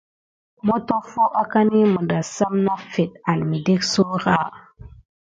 Motoffo akani midasame nafet an mikeka sura.